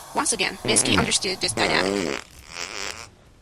Once again, Minsky understood this dynamic.